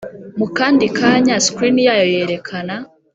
mukandikanya screen yayo yerekana